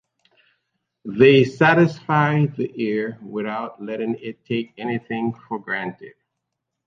They satisfy the ear without letting it take anything for granted.